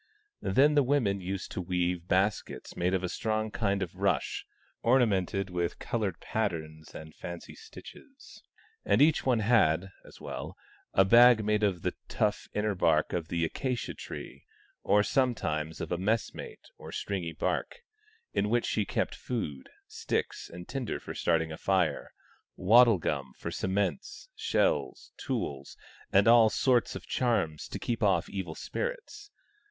Then the women used to weave baskets made of a strong kind of rush, ornamented with coloured patterns and fancy stitches, and each one had, as well, a bag made of the tough inner bark of the acacia tree, or sometimes of a messmate or stringy bark, in which she kept food, sticks and tinder for starting a fire, wattle gum for cement, shells, tools, and all sorts of charms to keep off evil spirits.